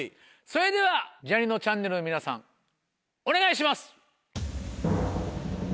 それではジャにのちゃんねるの皆さんお願いします。